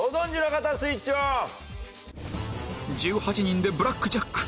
１８人でブラックジャック